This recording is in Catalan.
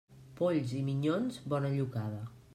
Polls i minyons, bona llocada.